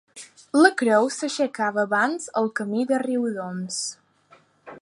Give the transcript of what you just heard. La creu s'aixecava abans al camí de Riudoms.